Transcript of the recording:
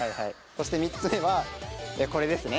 そして３つ目はこれですね。